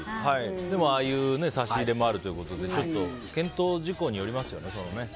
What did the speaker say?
でも、ああいう差し入れもあるということでちょっと検討事項によりますよね。